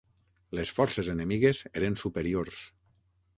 Les forces enemigues eren superiors.